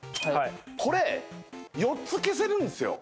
これ４つ消せるんですよ